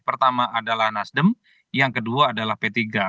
pertama adalah nasdem yang kedua adalah p tiga